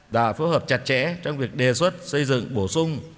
đã phối hợp chặt chẽ trong việc đề xuất xây dựng bổ sung